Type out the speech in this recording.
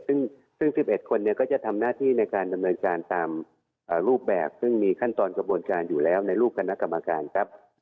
ซึ่ง๑๑คนก็จะทำหน้าที่ในการดำเนินการตามรูปแบบซึ่งมีขั้นตอนกระบวนการอยู่แล้วในรูปคณะกรรมการครับ